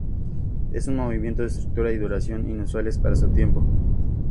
Es un movimiento de estructura y duración inusuales para su tiempo.